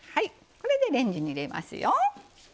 これでレンジに入れますよ。